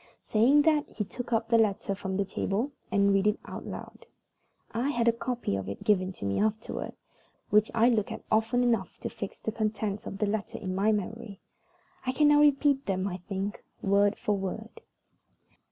Saying that, he took up a letter from the table and read it aloud. I had a copy of it given to me afterward, which I looked at often enough to fix the contents of the letter in my memory. I can now repeat them, I think, word for word.